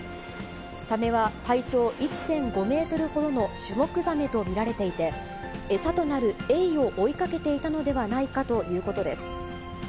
サメは体長１．５メートルほどのシュモクザメと見られていて、餌となるエイを追いかけていたのではないかということです。